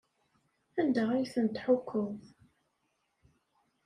Anda ay ten-tḥukkeḍ?